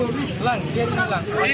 dia di belakang